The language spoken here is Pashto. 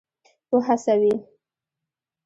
وهڅوي.